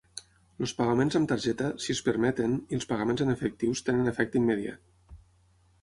Els pagaments amb targeta, si es permeten, i els pagaments en efectius tenen efecte immediat.